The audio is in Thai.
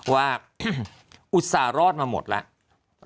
ว่าอุตส่ารอดมาหมดแล้ว